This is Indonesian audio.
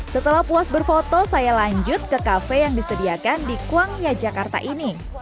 setelah puas berfoto saya lanjut ke kafe yang disediakan di kuangya jakarta ini